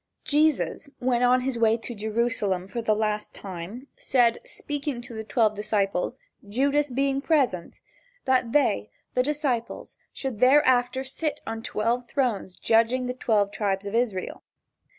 Jesus, when on his way to Jerusalem, for the last time, said, speaking to the twelve disciples, Judas being present, that they, the disciples should thereafter sit on twelve thrones judging the twelve tribes of Israel.